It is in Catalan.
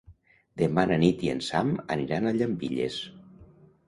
Demà na Nit i en Sam aniran a Llambilles.